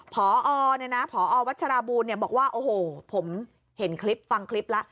พอวัชราบูลบอกว่าโอ้โหผมเห็นคลิปฟังคลิปแล้ว